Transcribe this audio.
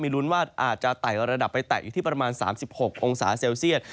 ลุ้นว่าอาจจะไต่ระดับไปแตะอยู่ที่ประมาณ๓๖องศาเซลเซียต